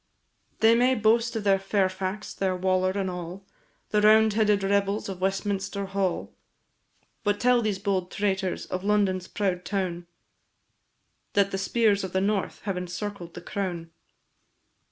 They may boast of their Fairfax, their Waller, and all The roundheaded rebels of Westminster Hall; But tell these bold traitors of London's proud town, That the spears of the north have encircled the crown.